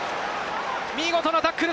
見事なタックル！